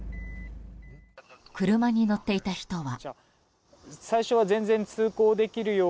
車に乗っていた人は。